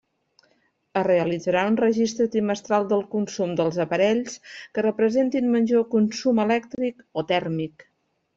Es realitzarà un registre trimestral del consum dels aparells que representin major consum elèctric o tèrmic.